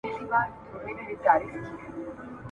چي هر چا ته وي دولت وررسېدلی !.